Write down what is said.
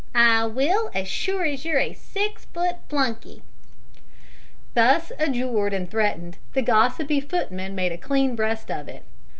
I will, as sure as you're a six foot flunkey!" Thus adjured and threatened, the gossipy footman made a clean breast of it.